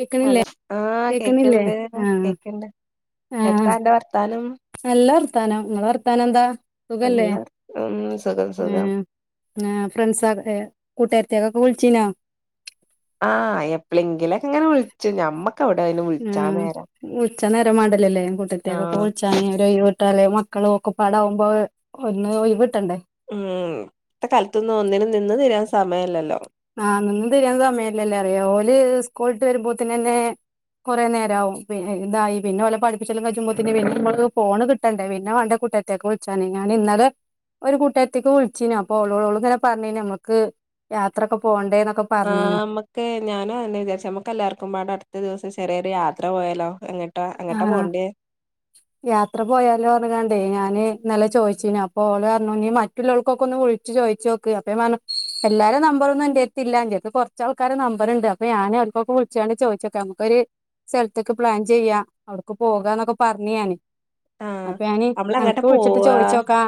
കേക്കണില്ലേ ഹലോ ആഹ് കേക്കണില്ലേ കേക്ക്ണ്ട് ആഹ് കേക്ക്ണ്ട് ആഹ് എത്താ അന്റെ വർത്താനം നല്ല വർത്താനം ഇങ്ങളെ വർത്താനെന്താ സുഖല്ലേ നല്ല ഉം സുഖം ഉം സുഖം ഏഹ് ആഹ് ഫ്രണ്ട്സാക്ക് ഏഹ് കൂട്ടാര്ത്തിയക്കൊക്കെ വിളിച്ചിനോ ആഹ് എപ്പളെങ്കിലൊക്കെ ഇങ്ങനെ വിള്ച്ചും ഞമ്മ ഉം വുള്ച്ചാ നേരമാണ്ടല്ലല്ലേ കൂട്ടാര്ത്തിയക്കൊക്കെ ആഹ് വിളിച്ചാന് [unintelligible] ഇട്ടാലേ മക്കളു ഒക്കപാടാവുമ്പോ ഒന്ന് ഒഴിവ്ട്ടണ്ടേ ഉം ഇപ്പത്തെ കാല്ത്തൊന്നും ഒന്നിനും നിന്ന് തിരിയാൻ സമയല്ലല്ലോ ആഹ് നിന്ന് തിരിയാൻ സമയല്ലല്ലോ അറിയാ ഓല് സ്കൂള്ട്ട് വരുമ്പോത്തിനന്നെ കൊറേ നേരാവും പിന്നെ എന്തായി പിന്നെ ഓലെ പഠിപ്പിച്ചെലും കജുംമ്പോത്തിന് പിന്നെ ഞമ്മക്ക് ഫോണ് കിട്ടണ്ടെ പിന്നെ വാണ്ടേ കുട്ട്യെ കുട്ട്യക്ക് വിള്ച്ചാനെ ഞാൻ ഇന്നലെ ഒരു കുട്ടാര്ത്തിക്ക് വിള്ച്ചീനു അപ്പൊ ഓളോള്ങ്ങനെ പറഞ്ഞീനി അമ്മക്ക് ത്രൊക്കെ പോണ്ടേന്നൊക്ക ആഹ് അമ്മ ക്കെ ഞാനും അയെന്നെ വിചാരിച്ചെ അമ്മക്ക് എല്ലാർക്കുപാടെ അട്ത്ത ദിവസം ചെറിയൊരു യാത്ര പോയാലോ എങ്ങട്ടാ ആഹ് എങ്ങട്ടാപോണ്ട്യേ യാത്ര പോയാലോറ്ഞ്ഞങ്ങാണ്ടേ ഞാന് ഇന്നലെ ചോയിച്ചിനു അപ്പൊ ഓളർഞ്ഞു ഇഞ്ഞ് മ റ്റ് ഇള്ളോല്ക്കോക്കൊന്ന് വിള്ച്ച് ചോയിച്ചോക് അപ്പൊ ഞാ പറഞ്ഞു എല്ലാര നമ്പറൊന്നു എന്റേട്ത്തില്ല എന്റെട്ത്തു കൊർ ച്ചാൾക്കാരെ നമ്പറ്ണ്ട് അപ്പ ഞാന് ഓല്ക്കൊക്കെ വിളിച്ചാണ്ട് ചോയിച്ചോക്കാ അമ്മക്കൊര് സല്ത്ത്ക്ക് പ്ലാൻ ചെയ്യാ അവട്ക്ക് പോകാന്നൊക്കെ പറ്ഞ്ഞ് ഞാന് ആഹ് അപ്പ ഞാന് നമ്മള് എങ്ങട്ടാ അന്ക്ക് വിള്ച്ചിട്ട് പോവാ ചോയിച്ചോക്കാ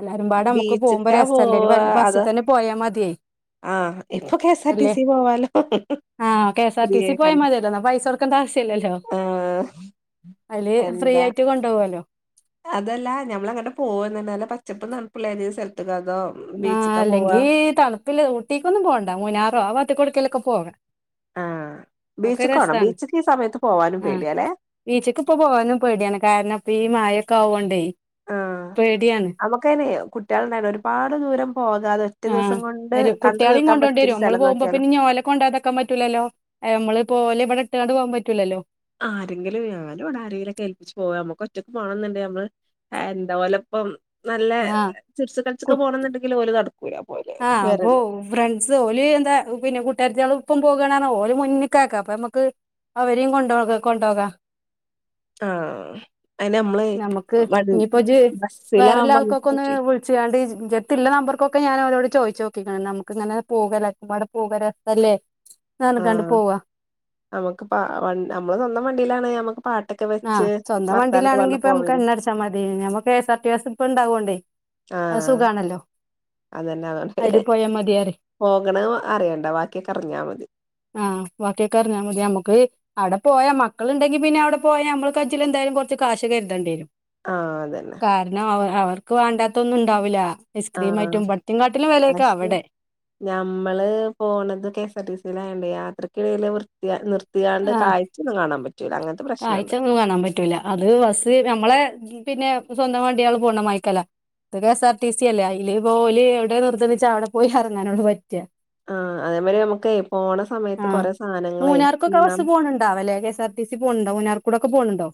എല്ലാരുപാടെ അമ്മക്ക് പോവുമ്പോ ബീച്ച്ക്കാ രസല്ലേ ഒര് വ പോവാ അതോ ബസ്സ്ത്തന്നെ പോയാ മതിയെ ആഹ് ഇപ്പൊ K S R T C പോവാലോ ആഹ് K S R free T C പോയാ ആയിക്കാണ്ട് മതിയല്ലോന്നാ പൈസൊട്ക്കണ്ടെ ആവശ്യല്ലല്ലോ ആഹ് അയില് ഫ്രീയായിട്ട് കൊണ്ടോവല്ലോ അതല്ലാ ഞമ്മളെങ്ങട്ടാ പോവ്ന്നന്ന് നല്ല പച്ചപ്പും തണ്പ്പ്ള്ളേതെ സ്ഥലത്ത്ക്കോ അതോ ആഹ് ബീച്ച്ക്കാ പോവാ അല്ലെങ്കി തണുപ്പില്ലെ ഊട്ടിക്കൊന്നും പോണ്ടാ മുനാറോ ആ ഭാത്ത്ക്ക് എവട്ക്കേലൊക്കെ പോവാ ആഹ് ബീച്ച്ക്കോണോ ബീച്ച്ക്ക് ഈ സമയത്ത് പോവാനും പേടിയാല്ലെ ബീച്ച്ക്ക്പ്പം പോവാനും പേടിയാണ് കാരണം ഇപ്പ ഈ മഴൊക്കെ ആവോണ്ടെ ആഹ് അമ്മക്കയിനെ കുട്ട്യാള്ണ്ടായോണ്ട് ഒരുപാട് ദൂരം പോകാതെ ഒറ്റ ആഹ് ദിവസം കൊണ്ട് എരു കണ്ട് കുട്ട്യാളീം തീർക്കാൻ പറ്റിയൊരു കൊണ്ടോണ്ട്യേരും അമ്മള് സ്ഥലം പോവുമ്പം നോക്കിയാലോ പിന്നെ ഇഞ്ഞ് ഓലെ കൊണ്ടാവാതെ ക്കാൻ പറ്റൂല്ലല്ലോ ഏഹ് അമ്മള്പ്പോലെ ഇവടെ ഇട്ട്ക്കാണ്ട് പോവാ പറ്റൂല്ലല്ലോ ആരെങ്കിലും ഞാന് ഇവടെ ആരേങ്കിലൊക്കെ ഏൽപ്പിച്ച് പോവാ അമ്മക്ക് ഒറ്റക്ക് പോണന്ന്ണ്ടെ ഞമ്മള് എന്താ ഓലപ്പം നല്ലെ ആ ചിർച്ച് കള്ച്ചൊക്കെ പോണന്ന്ണ്ടെങ്കില് ഓല് നട് ആഹ് പോവും ഫ്രണ്ട്സ് ഓല് എന്താ പിന്നെ കൂട്ടാര്ത്ത്യളൊപ്പം പോകാണേറ്ഞ്ഞ ഓലെ മുന്ന്ക്കാക്കാ അപ്പൊ അമ്മക്ക് അവരിം കൊണ്ടോന്നോക്ക് കൊണ്ടോകാ ആഹ് അയ്ന് നമ്മള് ഞമ്മക്ക് വൺ ഇഞ്ഞ്പ്പോജ് ബസ്സിലാവുമ്പോ നമുക്ക് വേറെല്ലാൾക്കൊക്കൊന്ന് പറ്റൂല വിള് ച്ച്ങ്ങാണ്ട് ഇന്റെട്ത്ത്ല്ലെ നമ്പർക്കൊക്കെ ഞാനോലോട് ചോയിച്ചോക്കിക്കാ ഞമ്മക്ക്ങ്ങനെ പോകല്ലെ എല്ലാര്ക്കുമ്പാടെ പോകാ രസല്ലേ ന്നറ്ഞ്ഞ്ക്കാണ്ട് പോവാ അമ്മക്ക് പാ വ അമ്മള് സ്വന്തം വണ്ടിയിലാണേ ഞമ്മക്ക് പാട്ടൊക്കെ വെച്ച് വർത്താനൊക്കെ പറഞ്ഞ് പോവേനി [unintelligible] മതിയേനി ഞമ്മക്ക് K S R T bus ഇപ്പണ്ടാവോണ്ടേ അഹ് ആഹ് സുഖാണല്ലോ അയില് പോയാ മതീയറി പോക്ണേം അറിയണ്ട ബാക്ക്യൊക്കെ അറ്ഞ്ഞാ മതി ആഹ് വാക്ക്യോക്കെ അറ്ഞ്ഞാ മതി ഞമ്മക്ക് ആടെ പോയാ മക്കള്ണ്ടെങ്കി പിന്നെ അവ്ടെ പോയാ അമ്മള് കജ്ജിലെന്തായാലും കൊറ്ച്ച് കാശ് കര്തെണ്ട്യേരും ആഹ് അതന്നെ കാരണം അവർ അവർക്ക് വേണ്ടാത്തൊന്നുംണ്ടാവുല ഐസ്ക്രീം ആഹ് ആയിറ്റും ഇബട്ത്തിം കാട്ടിലും വെലായ്ക്കും പക്ഷെ അവടെ ഞമ്മള് പോണത് കെ എസ് ആർ ടി സിലായോണ്ടേ യാത്രക്കെടയില് വൃ നി നിർത്തിയാണ്ട് ആഹ് കായ്ച്ചൊന്നും കാണാൻ പറ്റൂല്ല അങ്ങൻത്തെ പ്രശ്നണ്ട് ഒന്നും കാണാൻ പറ്റൂല അത് ബസ് ഞമ്മളെ പിന്നെ സ്വന്തം വണ്ട്യേള് പോണമായ്ക്കല്ല ഇത് K S R T C അല്ലേ അയില് ഓല് എവിടാ നിർത്ത്ണ്ച്ചാ അവിടെ പോയി എറങ്ങാനൊള്ള് പറ്റ ആഹ് അതേമാരി ഞമ്മക്കേ പോണ സമയത്ത് കൊറേ സാനങ്ങളേ ക്കൊക്കെ ബസ്സ് പോണണ്ടാവലേ K S R T C പോണ് ണ്ടോ മൂന്നാറ്ക്കൂടൊക്കെ പോണ് ണ്ടോ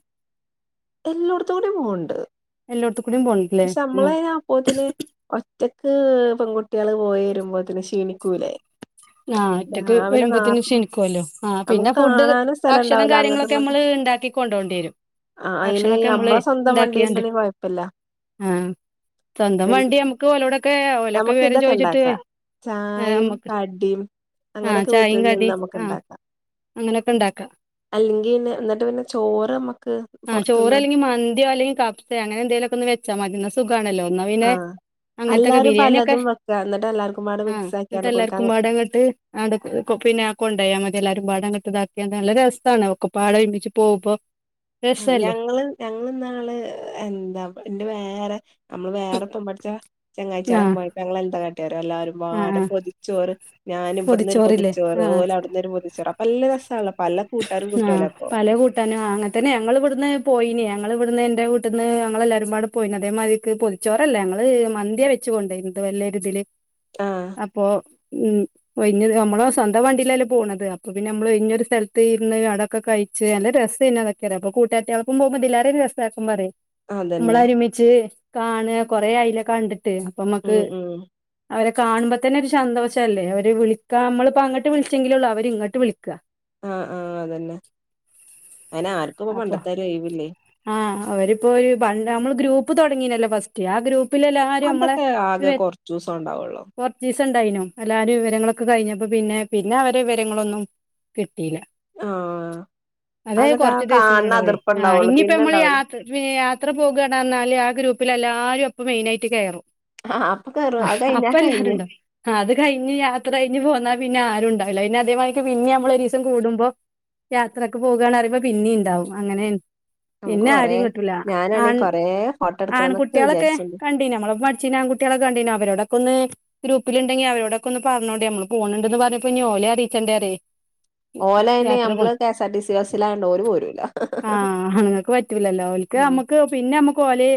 എല്ലാേട്ത്ത്ക്കൂടിം പോവ്ണ്ട് എല്ലോട്ത്ത് കൂടിം പോ പഷെ അമ്മളയിന് അപ്പോത്തിന് ഒ ഒറ്റക്ക് പെങ്കുട്ട്യാള് പോയി വരുമ്പോത്തിന് ക്ഷീണിക്കൂലേ ആഹ് ഒറ്റക്ക് രാവിലെ വരുമ്പോത്തിന് നാർത്ത ക്ഷിണിക്കൂല്ലോ ആ പിന്നെ നമുക്ക് ഫുഡ് കാണാനും സ്ഥലം ഭക്ഷണം ഉണ്ടാവൂല അങ്ങോട്ടും കാര്യങ്ങളൊക്കെ ഇങ്ങോട്ടും അമ്മള് ഇണ്ടാക്ക ക്കിക്കൊണ്ടോണ്ടിവെരും ആ അയിന് ഭക്ഷണൊക്കെ അമ്മള് നമ്മളെ സ്വന്തം ഇണ്ടാക്കിയാണ്ട് വണ്ടിയിലാണെങ്കി കൊഴപ്പല്ല ആഹ് സ്വന്തം പിൻ വണ്ടി ഞമ്മക്ക് ഓലോടൊക്കെ ഓലൊക്കെ നമുക്ക് വിവരം ഇതൊക്കെ ചോയിച്ചിട്ട് ഏഹ് അമ്മക്ക് അങ്ങനൊക്കെ വീട്ട്ൽ നിന്ന് അമ്മക്ക്ണ്ടാക്കാ അങ്ങനെക്കെണ്ടാക്കാ അല്ലെങ്കിന്നെ ഇന്നിട്ട് പിന്നെ ചോറ് അമ്മക്ക് പൊറ ചോറല്ലെങ്കി മന്ത്യോ അല്ലെങ്കി ക പ്സേ അങ്ങനെന്തേലൊക്കൊന്ന് വെച്ചാ മതി ഇന്നാ സുഖാണല്ലോ ഇന്നാ പിന്നേ ആഹ് അങ്ങൻത്തൊക്കെ എല്ലാരും ബിര്യാണ്യൊക്കെ പലതും വെക്കാ എന്നിട്ട് എല്ലാർക്കുംപാടെ ആഹ് മിക്സ് ഇങ്ങൻത്തെ ആക്കിയാണ്ട് കൊടുക്കാ എല്ലാർക്കുമ്പാടെ ട്ട് അണ്ട് പിന്നെ കൊണ്ടോയാ മതി എല്ലാരുമ്പാടെ അങ്ങട്ട്താക്കിയാണ്ട് നല്ല രെസാണ് ഒക്കപ്പാടെ ഒരുമിച്ച് പോവ്മ്പൊ ഞങ്ങള് ഞങ്ങള് ഇന്നാള് എന്താ ഇന്റെ വേറെ അമ്മള് വേറൊപ്പം പടിച്ച ആ ചെങ്ങായിച്യാളോപ്പം ഞങ്ങളെന്താ കാട്ട്യേറിയോ ആ ആ എല്ലാരുംമ്പാടെ പൊതിച്ചോറ് ഞാൻ ഇബട്ന്നൊര് പൊതിച്ചോറില്ലേ ആ പൊതിച്ചോറ് ഓല് അവ്ട്ന്നൊര് പൊതിച്ചോറ് അപ്പല്ല രസാല്ലോ പല കൂട്ടാരും ആഹ് കിട്ടുവല്ലോ അപ്പൊ പല കൂട്ടാനും ആഹ് അങ്ങന് അതന്നെ ഞങ്ങള് ഇവട്ന്ന് പോയിനി ഞങ്ങള് ഇവട്ന്ന് എന്റെ വീട്ട്ന്ന് ഞങ്ങളെല്ലാരുമ്പാടെ പോയിന് അതേമാതിരിക്ക് പൊതി ചോറല്ല ഞങ്ങള് മന്ത്യാ വെച്ച് കൊണ്ടോയ്ന്ന് ഇത് വല്ല്യൊരിതില് ആഹ് അപ്പോ ഉം ഒഴ്ഞ്ഞ അമ്മള് സ്വന്തം വണ്ടില്ലല്ലേ പോണത് അപ്പൊ പിന്നമ്മള് ഒഴ്ഞ്ഞൊരു സ്ഥല തീര്ന്ന് അതൊക്കെ കഴിച്ച് നല്ല രസേന്നൂ അതൊക്കെറയാ അപ്പൊ കൂട്ടാൾത്ത്യലൊപ്പം പോവ്മ്പോ ഇതിലേറെ രസാക്കുമ്പറയും അതന്നെ ഇമ്മളൊര്മിച്ച് കാണ കൊറെ ആയ്ലെ കണ്ടിട്ട് അപ്പമ്മക്ക് ഉം ഉം അവരെ കാണുമ്പോത്തന്നെ ഒര് സന്തോഷല്ലേ അവര് വിളിക്കാ അമ്മളിപ്പോ അങ്ങട്ട് വിളിച്ചെങ്കിലോള്ളൂ അവര് ഇങ്ങട്ട് വിളിക്ക ആഹ് ആഹ അതന്നെ അയിന് ആർക്കും ഇപ്പം അപ്പൊ പണ്ടെത്താരി ഒഴിവില്ലേ ആഹ് അവരിപ്പോ ഒരു നമ്മള് ഗ്രൂപ്പ് തുടങ്ങീനല്ലോ ഫസ്റ്റ് ആ ഗ്രൂപ്പ് പ്പില് എല്ലാരും ഞമ്മളെ അതൊക്കെ ആകെ കൊറച്ചൂസം ഉണ്ടാവുള്ളൂ [unintelligible] ച്ചീസം ഇണ്ടായിനു എല്ലാരും വിവരങ്ങളൊക്കെ കഴിഞ്ഞപ്പോ പിന്നെ പിന്നെ അവരെ വിവരങ്ങളൊന്നും കിട്ടീല ആഹ് അതൊക്കെ കാന്ണ അതിർപ്പം ഇണ്ടാവുള്ളു പിന്നെ ഇണ്ടാവൂല പിന്നെ യാത്ര പോകാണ് പറഞ്ഞാല് ആഹ് ഗ്രൂപ്പിലെ എല്ലാരും അപ്പം മെയിനായിട്ട് കയറും ആഹ് അപ്പൊ കേറും അത് കഴിഞ്ഞാ അപ്പം കഴിഞ്ഞു എല്ലാരുംണ്ടാവും ആഹ് അത് കഴിഞ്ഞ് യാത്ര കഴിഞ്ഞ് പോന്നാൽ പിന്നെ ആരും ഇണ്ടാവില പിന്നെ അതേമാക്ക് പിന്നെ ഞാമ്മള് ഒരൂസം കൂടുമ്പോ യാത്രയൊക്കെ പോകാണ് പറയുമ്പൊ പിന്നിം ഇണ്ടാവും അങ്ങനെണ് നമുക്ക് പിന്നെ കൊറേ ആരെയും കിട്ടൂല ഞാനാണെ ആൺ കൊറേ ഫോട്ടോ എടുക്കണംന്നൊക്കെ ആൺകുട്ട്യാളൊക്കെ വിചാരിച്ചിണ്ട് കണ്ട ഞമ്മളൊപ്പം പഠിച്ചിര്ന്ന ആൺ കുട്ട്യാളൊക്ക കണ്ടീന്ന് അവരോടൊക്കൊന്ന് ഗ്രൂപ്പിലെണ്ടെങ്കി അവരോടൊക്കെ ഒന്ന് പറഞ്ഞോണ്ടി ഞമ്മള് പോണ് ഇണ്ട്ന്ന് പറഞ്ഞപ്പോ ഇനി ഓലെ അറിയിക്കെണ്ടേറയെ ഓലയിന് നമ്മള് കെഎസ്ആർ ടി സി ബസ്സിലായോണ്ട് ഓര് പോരൂല്ല ആഹ അണുങ്ങക്ക് പറ്റൂലല്ലോ ഓല്ക്ക് ഉം നമ്മുക്ക് പിന്നെ നമ്മക്ക് ഓലെ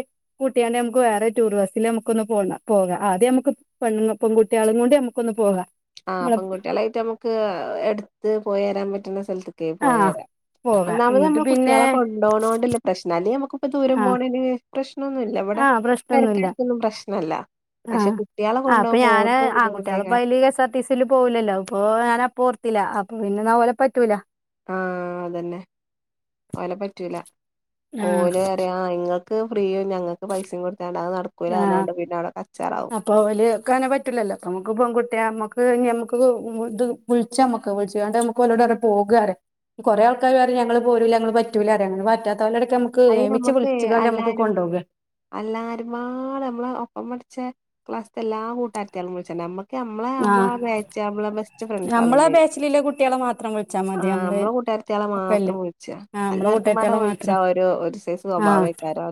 കുട്ട്യാണ്ട് ഞമ്മക്ക് വേറെ ടൂർ ബസ്സില് നമുക്കൊന്ന് പോ പോകാം ആദ്യം നമുക്ക് പെണ്ങ്ങ പെൺകുട്ട്യാളെംകൊണ്ട് നമ്മുക്കൊന്ന് പോവാ ആഹ പെൺകുട്ട്യാളെറ്റ് നമുക്ക് എടുത്ത് പോയി തരാൻ പറ്റുന്ന സ്ഥലത്ത് ക്ക ആഹ് പോയിരാം പോകാം ഒന്നാമത് എന്നിട്ട് നമ്മൾ പിന്നെ കുട്ടികളെ കൊണ്ടപോകണൊണ്ട പ്രശ്നം അല്ലെങ്കി നമുക്ക് ഇപ്പൊ ദൂരം ആഹ് പോണന് പ്രശ്നമൊന്നുമല്ല ഇവിടെ പരക്കാർക്കൊന്നും പ്രശ്നല്ല ആഹ പക്ഷെ കുട്ടികളെ ആ അപ്പൊ കൊണ്ടോവുമ്പോ ഞാൻ ഓൽക്കും ആൺകുട്ടികള ബുദ്ധിമുട്ടേക്കാരം പ്പയിൽ K S R D സിയിൽ പോവലല്ലോ അപ്പൊ ഞാനാർത്തില്ല അപ്പൊ പിന്നെന്നാ പോലെ പറ്റൂല ആഹ അതന്നെ ഓല പറ്റൂല ആഹ് മോന് പറിയ നിങ്ങ ക്ക് ഫ്രീയും ഞങ്ങൾക്ക് പൈസയും കൊടുത്താണ്ട് അത് നടക്കൂലന്ന് പറഞ്ഞണ്ട് പിന്നെ അവിടെ കച്ചാറാവും ഓല്ക്ക് അങ്ങനെ പറ്റില്ലല്ലോ നമുക്ക് പെൺകുട്ടിയ നമ്മുക്ക് നമുക്ക് ഇത് വിളിച്ചാ നമുക്ക് വിളിച്ചാണ്ട് ഞമ്മക്ക് ഒലോഡ് നമ്മക്ക് പോകാേ പറയാ കുറെ ആൾക്കാര് പറയും ഞങ്ങൾ പോരൂല ഞങ്ങള് പറ്റൂല അങ്ങനെ പറ്റാത്തോലെ ഇടക്ക് ഞമ്മക്ക് അയിന് ഏമിച്ചു വിളിച്ച്കാണ്ട് ഞമക്ക് കൊണ്ടുപോകുക എല്ലരുപാട് നമ്മളെ ഒപ്പം പഠിച്ച ക്ലാസ്സത്തെ എല്ലാ കൂട്ടാരത്തിയാളെയും വിളിച്ച ഞമ്മക്ക് ഞമ്മളെ ഞമ്മളെ ആഹ് ബാച്ച് നമ്മളെ ബെസ്റ്റ് ഫ്രണ്ട്സ് നമ്മളെ ആളില്ലേ ബാച്ചിലില്ല കുട്ടികളെ മാത്രം വിളിച്ചാ ആ മതി നമ്മള് നമ്മെ കൂട്ടാരത്തി കുട്ടികളെ ഒപ്പല്ലേ മാത്രം വിളിച്ച ആഹ് നമ്മളെ എല്ലാവർക്കും പാടെ കൂട്ടത്തിയാളെ വിളിച്ചാ മാത്രം ഒരു സൈസ് ആഹ് സ്വഭാവാക്കാരം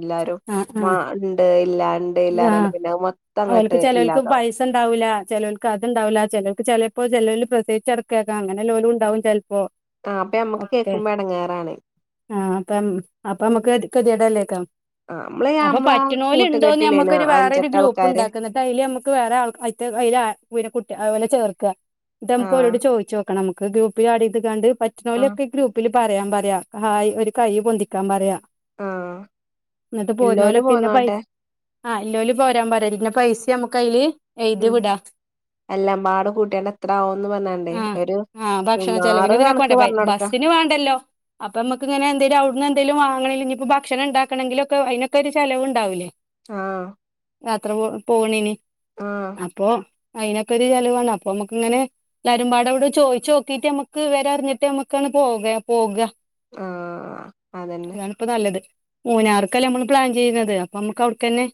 ആഹ് ആഹ് എല്ലരുംണ്ട് ഇല്ലാണ്ട് ഇല്ലാ റഞ്കാണ്ട് പിന്നെ മൊത്ത അങ്ങട്ട് ഇല്ലാതാവും ഉണ്ടാവില്ല ചിലർക്ക് അത്ണ്ടാവില്ല ചിലർക്ക് ചിലപ്പോ ചിലോല് പ്രസവിച്ചുകിടക്കേക്കാരം അങ്ങനെ ലോലും ഉണ്ടാവും ചിലപ്പോ ആ അപ്പൊ നമ്മക്ക് കേൾക്കുമ്പോ ഇടങ്ങാറാണ് ആഹ അപ്പം അപ്പ നമ്മുക്ക് കതിടല്ലേക്കാം ആ നമ്മളെ നമ്മളാ കൂട്ടുകെട്ട നമുക്കൊരു വേറെ ഒരു ഗ്രൂപ്പ്‌ ഉണ്ടാക്കാ എന്നിട്ട് അയില് നമ്മുക്ക് വേറെ ആൾ അയിലെ കുട്ടി ഒലെ ചേർക്കുക എന്നിട്ട് ആ നമുക്ക് ഓലോഡ് ചോദിച്ചോക്കാ ണം. നമ്മക്ക് ഗ്രൂപ്പിൽ ആഡ് ച്യ്തക്കണ്ട് ആ പറ്റുന്നോലൊക്കെ ഈ ഗ്രുപ്പിൽ ഗ്രൂപ്പിൽ പറയാൻ പറയാ ഹായ് ഒരു കൈ പൊന്തിക്കാൻ പറയാ ആ ന്നട്ട് ഇല്ലോല് പോരുന്നോലൊക്കെ ഇന്ന പൈസ പോന്നോട്ടെ ആഹ ഇല്ലോല് പോരാൻ പോരാ ഇന്നാ പൈസ നമ്മക്ക് അതില് എഴുതി ഉം വിടാം എല്ലാം പാട് കൂട്ടിയണ്ട് എത്ര ആകന്ന് പറഞ്ഞണ്ടേ ആഹ് ഒരു സുമാറ് കണക്ക് പറഞ്ഞടുക്ക ബസിന് വേണ്ടല്ലോ അപ്പൊ നമുക്ക്ങ്ങനെ എന്തേലും അവിടുന്ന് എന്തങ്കിലുംങ്ങണേങ്ക ഇനിപ്പോ ഭക്ഷണം ഉണ്ടാക്കണെിലക്കെ അതിനൊക്കെ ഒരു ചിലവ് ഉണ്ടാവില്ലേ ആഹ യാത്ര പോ പോണിനി ആഹ് അപ്പൊ അയി നൊക്കെരു ചലവാണ് അപ്പൊ നമ്മുക്ക് ഇങ്ങനെ എല്ലാരുംമ്പടെ അവിടെ ചോയിച്ച് നോക്കിട്ട് നമ്മക്ക് വിവരം അറിഞ്ഞിട്ട് നമ്മുക്കാണ് പോക പോകുക ആഹ അതന്നെ അപ്പൊ നല്ലത് മൂന്നാർക്കല്ലേ നമ്മള് പ്ലാൻ ചെയ്യുന്നത് അപ്പൊ നമ്മുക്ക് അവിടക്ക്ന്നെ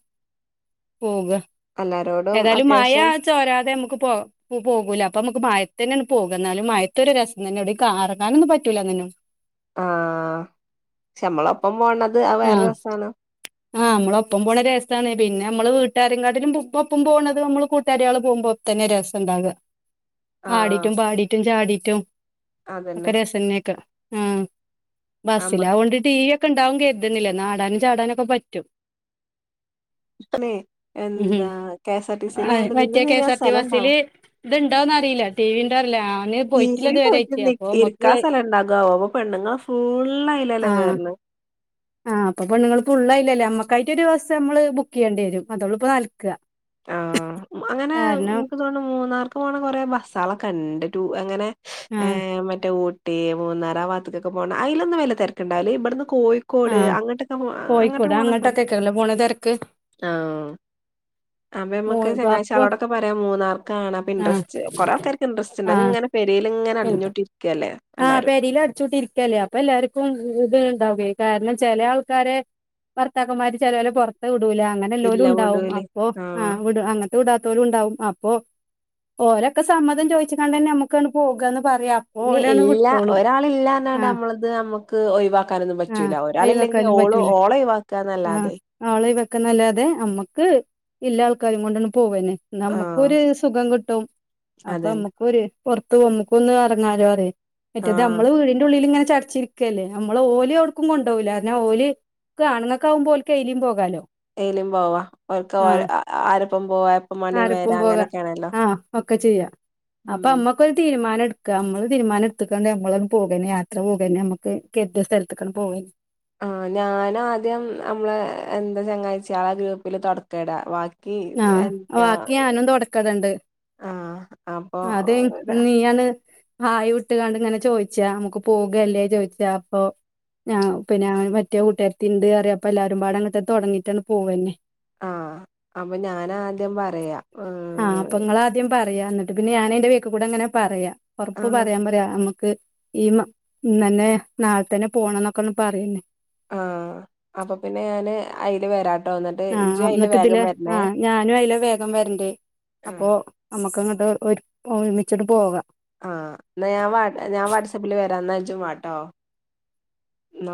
പോവുക എല്ലാരോടും ഏതായാലും മാഴ അത്യാവശ്യം ചോരാതെ നമുക്ക് പോ പോകൂല അപ്പൊ നമുക്ക് മഴത്തന്നെയാണ് പോക എന്നാലും മയത്ത ഒരു രസം തന്നെ അടടെ കറങ്ങാനൊന്നും പറ്റൂല എന്നന്നും ആഹ ഷേ മ്മളൊപ്പം പോണത് ആ വേറെ രസമാണ് ആഹ നമ്മള ഒപ്പം പോണ രസമാണ് പിന്നെ നമ്മള് വീട്ടുകാരെക്കാട്ടിലും ഒപ്പം പോണത് നമ്മള് കൂട്ടുകാരികൾ പോകുമ്പോ തന്നെ രസംണ്ടാകുക ആഹ് ആടിട്ടും പാടിട്ടും ചാടിട്ടും ഒക്കെ അതന്നെ രസനെയൊക്കെ ബസ്സില നമ്മക്കണേ ആവും കൊണ്ട് ടി വി ഒക്കെ ഉണ്ടാവും കരുതുന്ന് ആടാനും ചാടാനൊക്കെ പറ്റും പിനെ ഉം എന്താ കെഎസ് ആർ ടി സയില ആണ്ട മറ്റേ നിന്ന കെ എസ് തിരിയാൻ ആർ ടി സ്ഥലം ഉണ്ടാവോ ബസ്സില് ഇത്ണ്ടോന്ന് അറിയില്ല ടി വി ഉണ്ടോ അറിയില്ല ഞാന് ടി പോയിട്ടില്ല വി ഇതുവരെയായിട്ട് പോയിട്ട് അപ്പൊ നമ്മക്ക് ഇരിക്കാ സ്ഥലം ഇണ്ടാകാവോ ഇപ്പൊ പെണ്ണുങ്ങ ഫുള് അയില് ല്ലേ കേയറന്ന് ആഹ്പ്പൊ പെണ്ണങ്ങൾുള്ളള്ളായില്ലേ അമ്മക്കായിട്ട് ഒരു ബസ്സ് നമ്മള് ബുക്ക് ചെയ്യേണ്ടി വരും അതോളിപ്പപ്പോ നടക്കാ ആ അങ്ങനെ എനിക്ക് തോ മൂന്നാർക്ക് പോണ കൊറെേ ബസ്സാളൊക്കെണ്ട് അങ്ങനെ ഏ ആഹ് മറ്റേ ഊട്ടി മൂന്നാർ ആ വാത്തക്കൊക്കെ പോണം അതിലൊന്നും വല്യ തിരക്കുണ്ടാവൂല ഇവിടെന്ന് കോയി കോട് ആഹ് അങ്ങോട്ടൊക്കെ പോ കോഴിക്കോട് അങ്ങട്ടൊക്കെ പോണ സ അങ്ങോട്ടൊക്കെക്കല്ലേ പോണ തിരക്ക് ആഹ അപ്പൊ മോ നമക്ക് അപ്പൊ ചങ്ങായിച്ചിയാളോടൊക്കെ പറയാ മൂന്നാർക്കാണ് അപ്പ ആഹ് ഇന്ട്രെസ്റ് കുറെ ആൾക്കാർക്ക് ഇൻറസ്റ്റ്ണ്ട് ആഹ് അങ്ങനെ പെരേലിങ്ങനെ അടിഞ്ഞോണ്ടിരിക്കല്ലെ ആഹ് പെരിൽ അടച്ചോട്ടിരിക്കല്ലേ അപ്പൊ എല്ലാർക്കും ഇത് ഇണ്ടാവേ കാരണം ചില ആൾക്കാരെ ഭർത്താക്കന്മാര് ചിലോര് പുറത്ത് വിടൂല അങ്ങനെ എല്ലോലും ഇല്ല ഉണ്ടാവും വിടൂലേ അപ്പോ ആ ആഹ് വി അങ്ങനെ വിടാത്തോരൂം ഇണ്ടാവും അപ്പോ ഓരൊക്കെ സമ്മതം ചോദിച്ചിക്കാണ്ടന്നെ നമ്മുക്കാണ് പോകാന്ന് പറയാ അപ്പൊ ഇനി ഓലാണ് ഇല്ല വിട്ടോളും ഒരാളില്ലാന്ന ആഹ് നമ്മളത് നമുക്ക് ഒഴിവാക്കാനൊന്നും ആഹ് പറ്റൂല്ല ഒരാളില്ലെങ്കിൽ ഓള് ഓള ഒഴിവാ ക്കന്നല്ലാതെ ആളീ വെക്കുന്നല്ലാതെ നമ്മക്ക് ഇല്ലാ ആൾക്കാരെം കൊണ്ടാന്ന് പോവനെ ആഹ് നമുക്കൊരു സുഖം കിട്ടും അപ്പൊ അതന്നെ നമ്മുക്ക് പുറത്ത് പോമ്മ നമുക്കൊന്ന് ഇറങ്ങാലോ അറേം മറ്റേത് ആഹ് നമ്മള് വീടിന്റെ ഉള്ളിൽ ഇങ്ങനെ ചടച്ചിരിക്ക ക്കല്ലേ നമ്മള് ഓലി ഓടുക്കും കൊണ്ടോവൂല കാരണം ഓലി ആണുങ്ങക്കാവുമ്പോ കെലിയും പോകാലോ ഏലും പോവാം ഓൽക്ക് ആഹ് ആരപ്പം പോവാ എപ്പ മണി വരാം അങ്ങനെയൊക്കെയാണല്ലോ ആ ഒക്കെ അപ്പൊ ഉം അമ്മക്കൊരു തീരുമാനം എടുക്ക നമ്മള് തീരുമാനം എടു ത്ത്കാണ്ട് നമ്മളന്നെ പോകാന്ന് യാത്ര പോക നമ്മക്ക് കെട്ട സ്ഥലത്ത്ക്ക് പോകും ആ ഞാനാദ്യം നമ്മള എന്താ ചങ്ങാഴ്ചയാള ഗ്രൂപ്പില് തൊടക്കേടാ ബാക് ആഹ് ബാക്കി ഞാനും തുടക്ക ഇടുണ്ട് ആഹ് അപ്പൊ അതെ നീയാണ് ഹായ് വിട്ടുകാണ്ട് ഇങ്ങനെ ചോയിച്ചാ നമുക്ക് പോകല്ലേ ചോയിച്ചാ അപ്പൊ ആ പിന്നെ അവ മറ്റേ കുട്ടാരിത്തി ഇണ്ട് അറിയപ്പ എല്ലാരും പാട അങ്ങനത്തെ തുടങ്ങിട്ടാണ് പോവന്നെ ആഹ് അപ്പൊ ഞാൻ ആദ്യം പറയാ ആഹ് ഏഹ് അപ്പ നിങ്ങൾ ആദ്യം പറയാ എന്നിട്ട് പിന്നെ ഞാനെന്റെ വീക്കീ കൂടെ അങ്ങനെ പറയാ ഉറപ്പ് ആഹ് പറയാൻ പറയാ നമുക്ക് ഈ ഇന്നന്നെ നാളെത്തന്നെ പോണം എന്നൊക്കെ പറയല്ലേ ആഹ് അപ്പൊ പിന്നെ ഞാന് അയില് വരാട്ടോ വന്നിട്ട് ഇജു ആഹ് അതില് എന്നിട്ട് വേഗം ഇതില് വരണേ ആഹ് ഞാനും അയില് വേഗം വര്ണ്ടേ അപ്പൊ ആഹ് നമ്മുക്കങ്ങ്ട്ട് ഒരുമിച്ചിട്ട് പോകാം ആഹ് എന്നാ ഞാൻ ഞാൻ വാട്ട്സ്ആപ്പിൽ വരാം എന്നാ ഇജ്ജ് വാട്ടോ